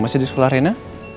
masih di sekolah arena